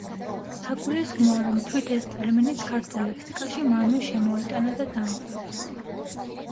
საგულისხმოა, რომ თვით ეს ტერმინიც ქართულ ლექსიკაში მანვე შემოიტანა და დაამკვიდრა.